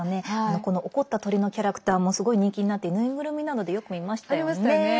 この怒った鳥のキャラクターもすごい人気になって縫いぐるみなどでよく見ましたよね。